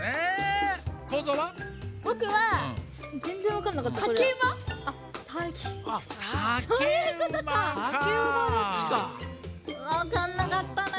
わかんなかったな。